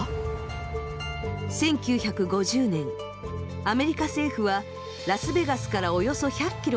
１９５０年アメリカ政府はラスベガスからおよそ１００キロ